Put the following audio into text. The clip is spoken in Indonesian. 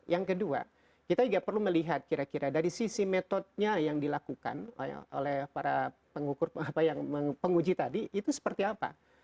yang kedua kita juga perlu melihat kira kira dari sisi metodnya yang dilakukan oleh para penguji tadi itu seperti apa